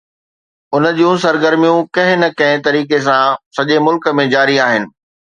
ان جون سرگرميون ڪنهن نه ڪنهن طريقي سان سڄي ملڪ ۾ جاري آهن.